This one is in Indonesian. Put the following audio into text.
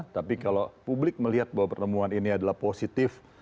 tapi kalau publik melihat bahwa pertemuan ini adalah positif